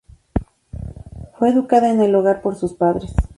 Fue educada en el hogar por sus padres.